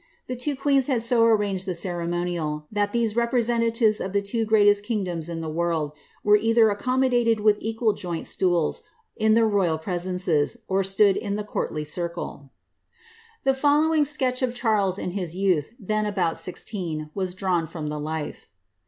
The two queens had so arranged the ceremonial, that these representatives of the two greatest kingdoms in the world were either accommodated with equal joint stools in their royal presences, or stood in the courtly circle. The following sketch of Charles in his youth, then about sixteen, was drawn from the life.